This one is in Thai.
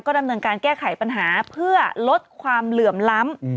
ดำเนินการแก้ไขปัญหาเพื่อลดความเหลื่อมล้ำ